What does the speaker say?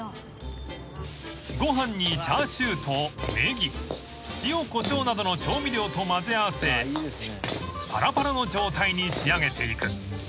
［ご飯にチャーシューとネギ塩こしょうなどの調味料とまぜ合わせパラパラの状態に仕上げていく］